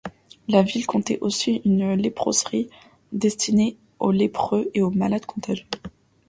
La ville comptait aussi une léproserie destinée aux lépreux et aux malades contagieux.